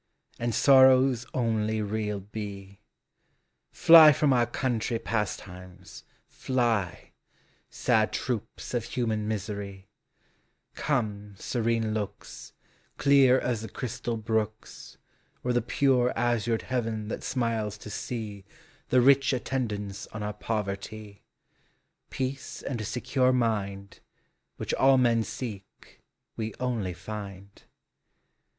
And sorrows onlv real be. TEE SEASONS. 137 Fly from our country pastimes, fly, Sad troops of human misery; Come, serene looks, Clear as the crystal brooks, Or the pure azured heaven that smiles to see The rich attendance on our poverty; Peace and a secure mind, Which all men seek, we only find.